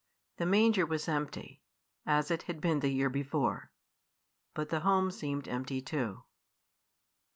The manger was empty, as it had been the year before; but the home seemed empty too.